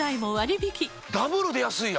ダブルで安いな！